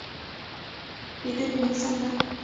د دوبی موسم ده